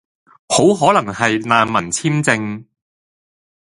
好可能係難民簽證